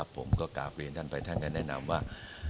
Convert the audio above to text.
ผมก็กราบเรียนท่านไปท่านได้แนะนำว่า